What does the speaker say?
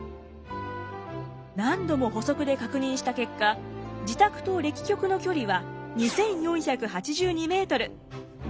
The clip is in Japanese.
何度も歩測で確認した結果自宅と暦局の距離は２，４８２メートル。